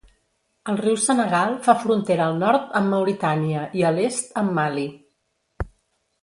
El riu Senegal fa frontera al nord amb Mauritània i a l'est amb Mali.